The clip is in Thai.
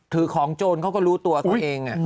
ถือของโจรเขาก็รู้ตัวเขาเอง